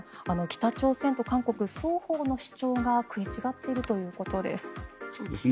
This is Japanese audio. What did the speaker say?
北朝鮮、韓国双方の主張が食い違っているということです。